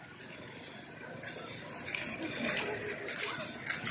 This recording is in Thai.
นี่ฮะ